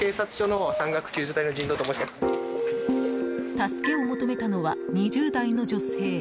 助けを求めたのは２０代の女性。